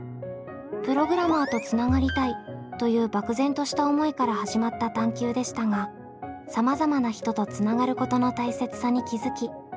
「プログラマーとつながりたい」という漠然とした思いから始まった探究でしたがさまざまな人とつながることの大切さに気付き